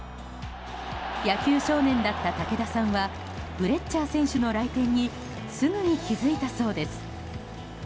野球少年だった竹田さんはフレッチャー選手の来店にすぐに気づいたそうです。